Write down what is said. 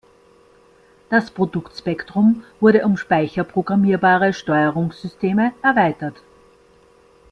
Das Produktspektrum wurde um speicherprogrammierbare Steuerungssysteme erweitert.